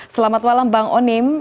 selamat malam bang onim